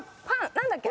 何だっけ？